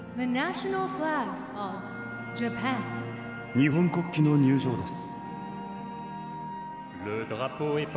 日本国旗の入場です。